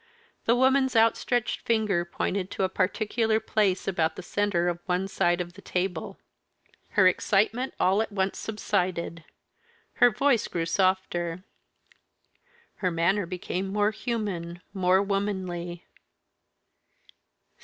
The woman's outstretched finger pointed to a particular place about the centre of one side of the table. Her excitement all at once subsided; her voice grew softer. Her manner became more human, more womanly.